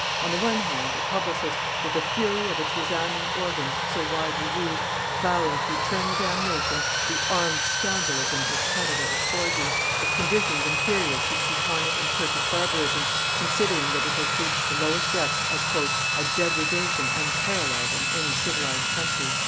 On the one hand, a publicist, with the fury of its resounding organs, so widely used, vowing to eternal damnation, the armed scoundrelism which Canada is forging, with conditions inferior to Teutonic and Turkish barbarism, considering that it has reached the lowest depth of "a degradation unparalleled in any civilized country."